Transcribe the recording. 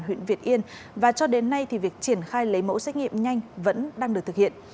huyện việt yên và cho đến nay thì việc triển khai lấy mẫu xét nghiệm nhanh vẫn đang được thực hiện